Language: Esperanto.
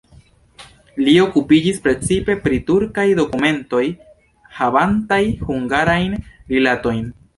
Li okupiĝis precipe pri turkaj dokumentoj havantaj hungarajn rilatojn.